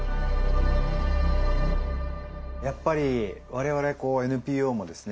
やっぱり我々ＮＰＯもですね